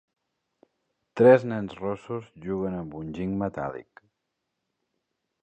Tres nens rossos juguem amb un giny metàl·lic.